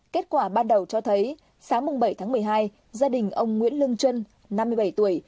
kết quả ban đầu cho thấy sáng bảy tháng một mươi hai gia đình ông nguyễn lương trân năm mươi bảy tuổi